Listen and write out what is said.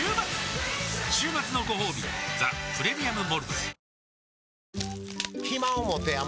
週末のごほうび「ザ・プレミアム・モルツ」